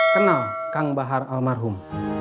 kenal kang bahar almarhum